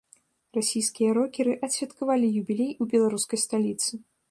Расійскія рокеры адсвяткавалі юбілей у беларускай сталіцы.